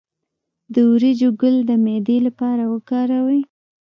د وریجو ګل د معدې لپاره وکاروئ